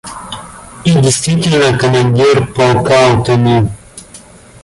И действительно, командир полка утонул.